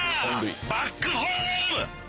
バックホーム！